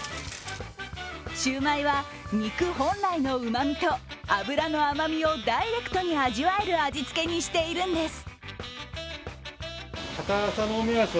シュウマイは肉本来のうまみと脂の甘みをダイレクトに味わえる味つけにしているんです。